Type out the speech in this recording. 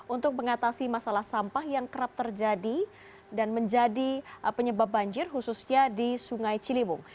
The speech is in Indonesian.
untuk mengatasi masalah sampah yang kerap terjadi dan menjadi penyebab banjir khususnya di sungai ciliwung